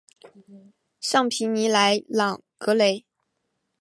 尚皮尼莱朗格雷。